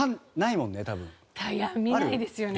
見ないですよね。